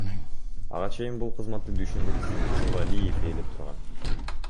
Ага чейин бул кызматты Дүйшөнбек Зилалиев ээлеп турган.